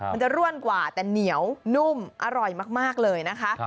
มันจะร่วนกว่าแต่เหนียวนุ่มอร่อยมากเลยนะคะ